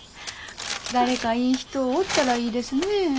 誰かいい人おったらいいですねえ。